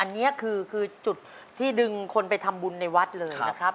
อันนี้คือจุดที่ดึงคนไปทำบุญในวัดเลยนะครับ